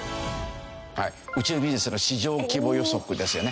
宇宙ビジネスの市場規模予測ですよね。